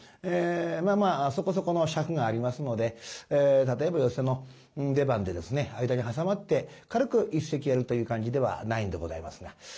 まあまあそこそこの尺がありますので例えば寄席の出番で間に挟まって軽く一席やるという感じではないんでございますが。